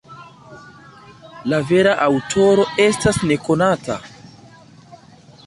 La vera aŭtoro estas nekonata.